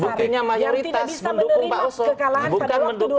buktinya mayoritas mendukung pak oso